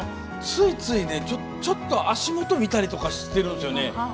ついつい、ちょっと足元を見たりとかしてるんですよね。